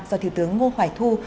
do thủ tướng ngo hoài thu